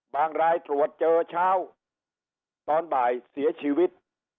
รายตรวจเจอเช้าตอนบ่ายเสียชีวิต